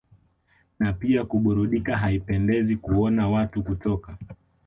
na pia kuburudika Haipendezi kuona watu kutoka